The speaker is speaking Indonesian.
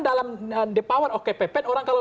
dalam the power of kpp orang kalau